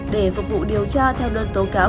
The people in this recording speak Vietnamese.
để phục vụ điều tra theo đơn tố cáo